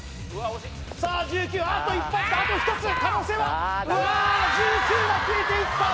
惜しいさあ１９あと１発かあと１つ可能性はあ１９が消えていった